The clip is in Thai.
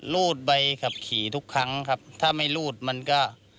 รูดใบขับขี่ทุกครั้งครับถ้าไม่รูดมันก็